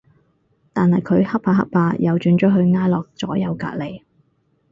但係佢恰下恰下又轉咗去挨落咗右隔離